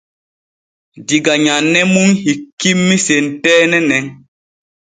Diga nyanne mun hikkimmi senteene nen.